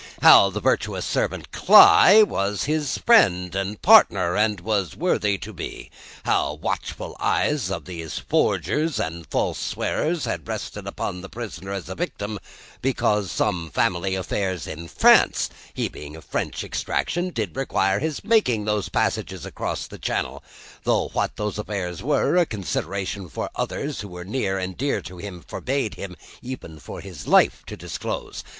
How the virtuous servant, Cly, was his friend and partner, and was worthy to be; how the watchful eyes of those forgers and false swearers had rested on the prisoner as a victim, because some family affairs in France, he being of French extraction, did require his making those passages across the Channel though what those affairs were, a consideration for others who were near and dear to him, forbade him, even for his life, to disclose.